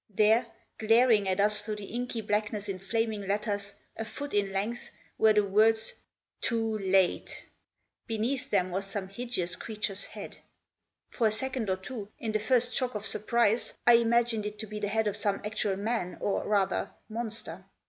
There, glaring at us through the inky blackness in flaming letters, a foot in length, were the words "TOO LATE!" Beneath them was some hideous creature's head. For a second or two, in the first shock of surprise, I imagined it to be the head of some actual man, or, rather, monster.